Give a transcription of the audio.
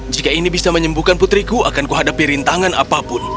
jika ini bisa menyembuhkan putriku akan kuhadapi rintangan apapun